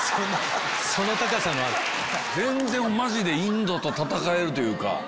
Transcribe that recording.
全然マジでインドと戦えるというか。